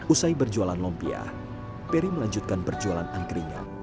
usai berjualan lompia peri melanjutkan berjualan angkringnya